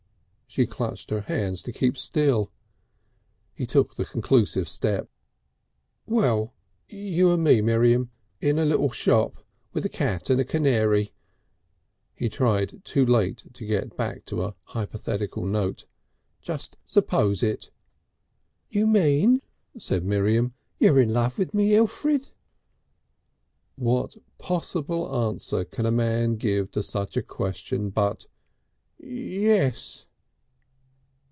She clenched her hands to keep still. He took the conclusive step. "Well, you and me, Miriam, in a little shop with a cat and a canary " He tried too late to get back to a hypothetical note. "Just suppose it!" "You mean," said Miriam, "you're in love with me, Elfrid?" What possible answer can a man give to such a question but "Yes!"